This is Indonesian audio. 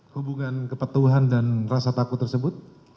hubungan kepatuhan dan rasa takut tersebut